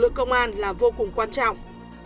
lực công an là vô cùng quan trọng